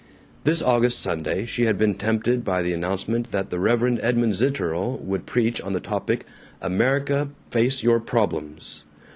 This August Sunday she had been tempted by the announcement that the Reverend Edmund Zitterel would preach on the topic "America, Face Your Problems!"